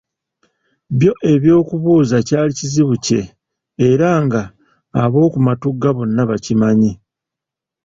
Byo eby’okubuuza kyali kizibu kye era nga ab’oku Matugga bonna bakimanyi.